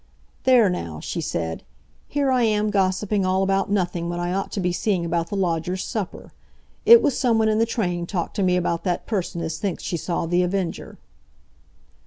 "There, now," she said; "here I am gossiping all about nothing when I ought to be seeing about the lodger's supper. It was someone in the train talked to me about that person as thinks she saw The Avenger."